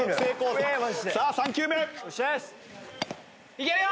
いけるよ！